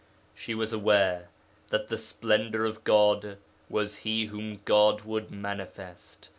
She was aware that 'The Splendour of God' was 'He whom God would manifest.'